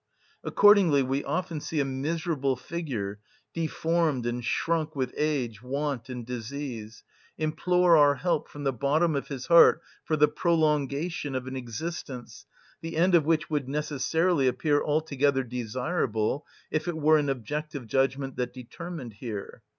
(8) Accordingly we often see a miserable figure, deformed and shrunk with age, want, and disease, implore our help from the bottom of his heart for the prolongation of an existence, the end of which would necessarily appear altogether desirable if it were an objective judgment that determined here.